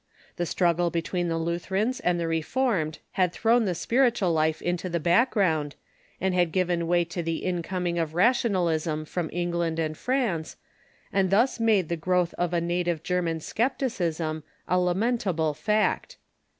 The struggle between the Lutherans and the Reformed had thrown the spiritual life into the background, and had given way to the incoming of rationalism from Eng land and France, and thus made the growth of a native Ger man scepticism a lamentable fact.